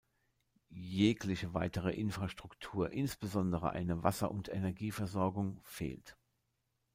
Jegliche weitere Infrastruktur, insbesondere eine Wasser- und Energieversorgung, fehlt.